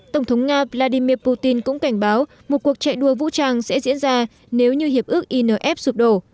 tổng thống nga vladimir putin cũng cảnh báo một cuộc chạy đua vũ trang sẽ diễn ra nếu như hiệp ước inf sụp đổ